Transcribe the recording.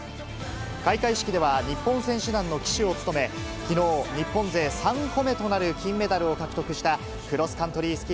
開会式では、日本選手団の旗手を務め、きのう、日本勢３個目となる金メダルを獲得したクロスカントリー